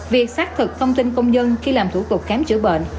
việc xác thực thông tin công nhân khi làm thủ tục khám chữa bệnh